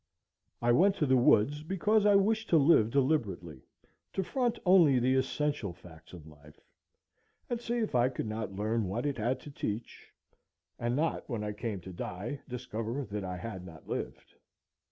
I went to the woods because I wished to live deliberately, to front only the essential facts of life, and see if I could not learn what it had to teach, and not, when I came to die, discover that I had not lived.